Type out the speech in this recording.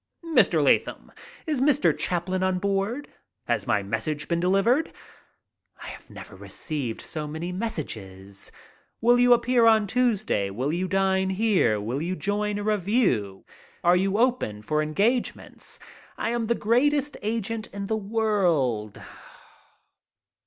"Mr. Lathom, is Mr. Chaplin on board?" "Has my message been delivered?" I have never received so many messages. "Will you appear on Tuesday?" "Will you dine here?" "Will you join a revue?" "Are you open for engagements?" "I am the greatest agent in the world."